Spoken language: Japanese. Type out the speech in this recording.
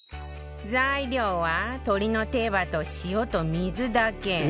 材料は鶏の手羽と塩と水だけ